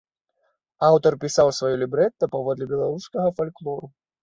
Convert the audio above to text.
Аўтар пісаў сваё лібрэта паводле беларускага фальклору.